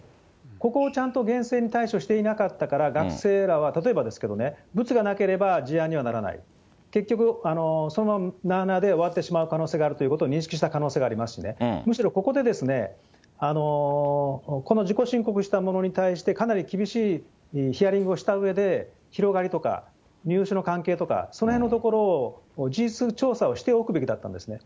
ここをちゃんと厳正に対処していなかったから、学生らは、例えばですけどね、ブツがなければ事案にはならない、結局、そのままなあなあで終わってしまうと認識した可能性がありますしね、むしろここで、この自己申告したものに対してかなり厳しいヒアリングをしたうえで、広がりとか、入手の関係とかそのへんのところを事実調査をしておくべきだったんですね。